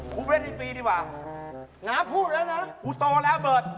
กูเล่นในปีดีกว่าน้าพูดแล้วนะกูโตแล้วเบิร์ต